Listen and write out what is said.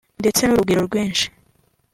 ndetse n’urugwiro rwinshi